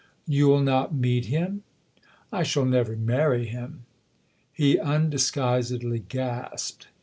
" You'll not meet him ?"" I shall never marry him." He undisguisedly gasped.